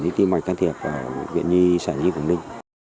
cái tim mạch can thiệp ở bệnh viện sản nhi quảng ninh